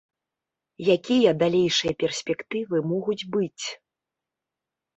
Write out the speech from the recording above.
Якія далейшыя перспектывы могуць быць?